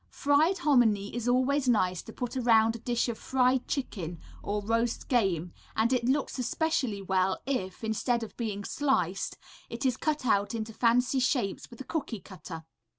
Fried hominy is always nice to put around a dish of fried chicken or roast game, and it looks especially well if, instead of being sliced, it is cut out into fancy shapes with a cooky cutter.